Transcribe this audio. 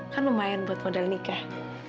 kan lumayan buat modal nikah